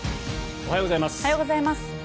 おはようございます。